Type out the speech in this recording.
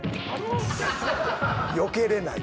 よけれない。